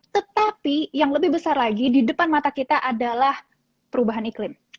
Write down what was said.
tetapi yang lebih besar lagi di depan mata kita adalah perubahan iklim